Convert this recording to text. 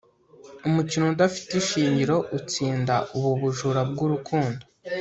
umukino udafite ishingiro utsinda ubu bujura bwurukundo